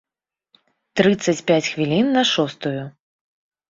Трыццаць пяць хвілін на шостую.